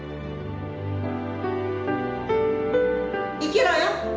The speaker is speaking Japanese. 生きろよ！